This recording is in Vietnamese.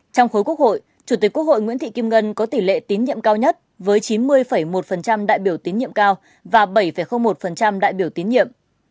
trong khối quốc hội chủ tịch quốc hội nguyễn thị kim ngân có tỷ lệ tín nhiệm cao nhất với chín mươi một đại biểu tín nhiệm cao và bảy một đại biểu tín nhiệm